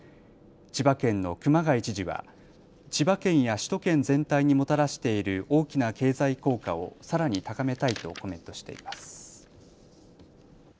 千葉県の熊谷知事は千葉県や首都圏全体にもたらしている大きな経済効果をさらに高めたいとコメントしています。